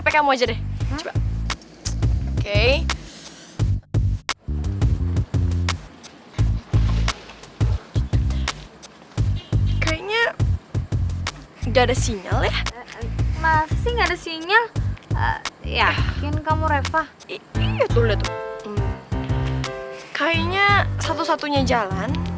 kayaknya satu satunya jalan